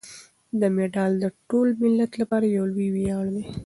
دا مډال د ټول ملت لپاره یو لوی ویاړ دی.